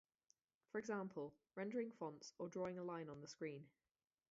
For example: rendering fonts or drawing a line on the screen.